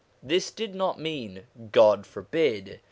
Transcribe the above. This did not mean God forbid